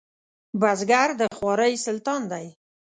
بزګر د خوارۍ سلطان دی